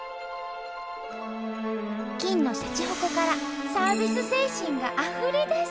金のしゃちほこからサービス精神があふれ出す！